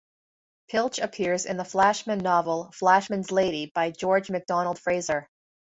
Pilch appears in the Flashman novel "Flashman's Lady" by George MacDonald Fraser.